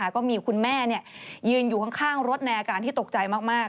ก็มีคุณแม่ยืนอยู่ข้างรถในอาการที่ตกใจมาก